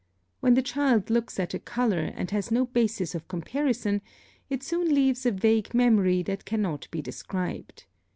When the child looks at a color, and has no basis of comparison, it soon leaves a vague memory that cannot be described.